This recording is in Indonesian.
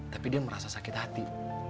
tapi dia merasa sakit hati